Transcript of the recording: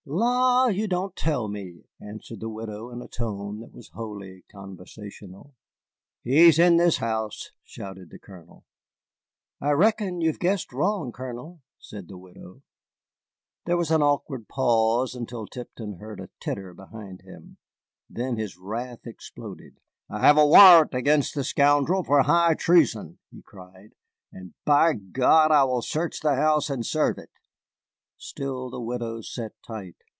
"La! you don't tell me," answered the widow, in a tone that was wholly conversational. "He is in this house," shouted the Colonel. "I reckon you've guessed wrong, Colonel," said the widow. There was an awkward pause until Tipton heard a titter behind him. Then his wrath exploded. "I have a warrant against the scoundrel for high treason," he cried, "and, by God, I will search the house and serve it." Still the widow sat tight.